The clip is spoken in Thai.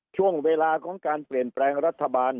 ช่วงเวลาของการเปลี่ยนแปลงรัฐบาล